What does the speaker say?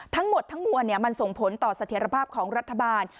ทั้งหมดทั้งมวลมันส่งผลต่อเสถียรภาพของรัฐบาล